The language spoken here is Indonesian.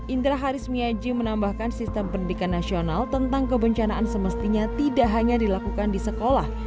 indra harismiaji menambahkan sistem pendidikan nasional tentang kebencanaan semestinya tidak hanya dilakukan di sekolah